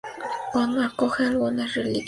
Acoge algunas reliquias sagradas.